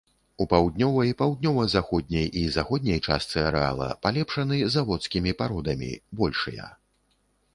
У паўднёвай, паўднёва-заходняй і заходняй частцы арэала палепшаны заводскімі пародамі, большыя.